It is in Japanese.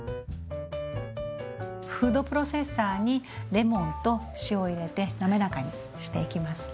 フードプロセッサーにレモンと塩を入れて滑らかにしていきますね。